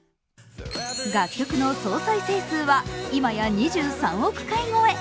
楽曲の総再生数は今や２３億回超え。